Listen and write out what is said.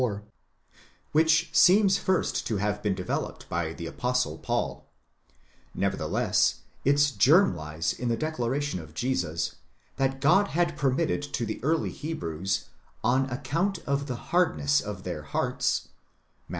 24), which seems first to have been developed by the Apostle Paul ; nevertheless, its germ lies in the declaration of Jesus, that 'God had permitted to the early Hebrews, on account of the hardness of their hearts (Matt.